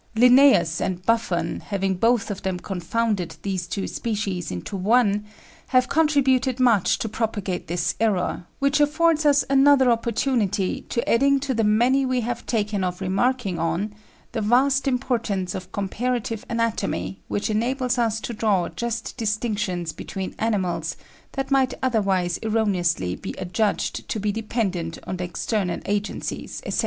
Linnæus and Buffon having both of them confounded these two species into one, have contributed much to propagate this error, which affords us another opportunity of adding to the many we have taken of remarking on the vast importance of comparative anatomy, which enables us to draw just distinctions between animals that might otherwise erroneously be adjudged to be dependent on external agencies, etc.